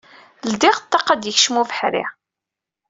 Ldiɣ ṭṭaq ad d-yekcem ubeḥri.